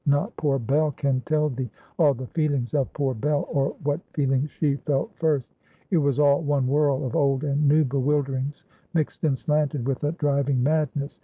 Not poor Bell can tell thee all the feelings of poor Bell, or what feelings she felt first. It was all one whirl of old and new bewilderings, mixed and slanted with a driving madness.